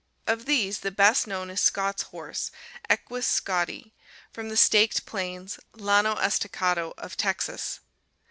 Of these the best known is Scott's horse, Equus scotti (Fig. 227), from the staked plains (Llano Estacado) of Texas.